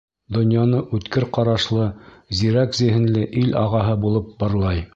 Донъяны үткер ҡарашлы, зирәк зиһенле ил ағаһы булып барлай.